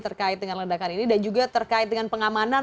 terkait dengan ledakan ini dan juga terkait dengan pengamanan